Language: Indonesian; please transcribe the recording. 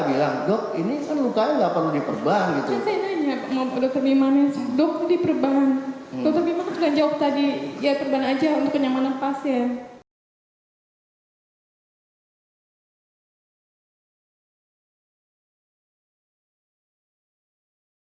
dalam kesaksian ini juga ada sejumlah pernyataan yang menguatkan bahwa dr bimanes turut serta dalam merekayasa laporan medis stianofanto agar bisa terhindar dari pemeriksaan kpk